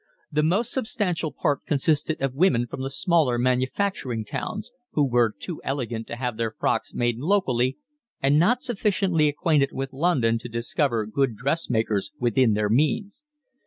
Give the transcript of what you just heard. The most substantial part consisted of women from the smaller manufacturing towns, who were too elegant to have their frocks made locally and not sufficiently acquainted with London to discover good dressmakers within their means.